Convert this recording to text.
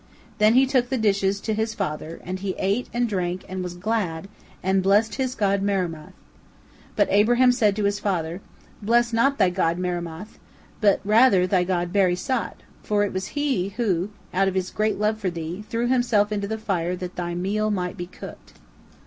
Then he took the dishes to his father, and he ate and drank and was glad and blessed his god Marumath. But Abraham said to his father, "Bless not thy god Marumath, but rather thy god Barisat, for he it was who, out of his great love for thee, threw himself into the fire that thy meal might be cooked."